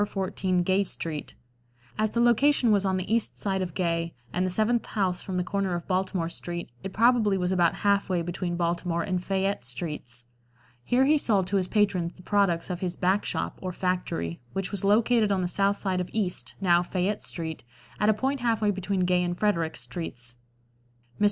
14 Gay street. As the location was on the east side of Gay and the seventh house from the corner of Baltimore street, it probably was about half way between Baltimore and Fayette streets. Here he sold to his patrons the products of his "back shop" or factory, which was located on the south side of East, now Fayette street, at a point half way between Gay and Frederick streets. Mr.